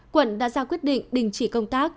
quận đã ra quyết định đình chỉ công tác